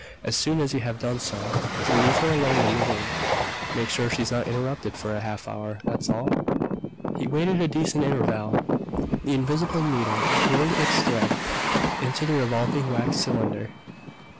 As soon as you have done so, leave her alone in the room. Make sure she's not interrupted for a half hour. That's all." He waited a decent interval. The invisible needle peeled its thread into the revolving wax cylinder.